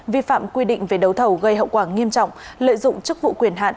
vi phạm quy định về đấu thầu gây hậu quả nghiêm trọng lợi dụng chức vụ quyền hạn